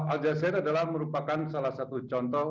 aljazeera adalah merupakan salah satu contoh